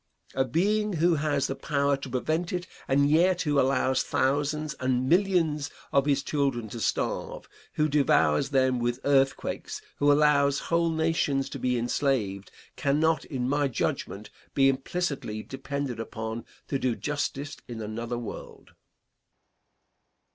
A being who has the power to prevent it and yet who allows thousands and millions of his children to starve; who devours them with earthquakes; who allows whole nations to be enslaved, cannot in my judgment be implicitly be depended upon to do justice in another world.